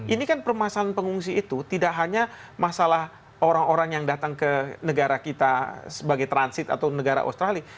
ini kan permasalahan pengungsi itu tidak hanya masalah orang orang yang datang ke negara kita sebagai transit atau negara australia